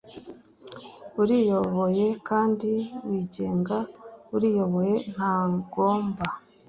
uriyoboye kandi wigenga uriyoboye ntagomba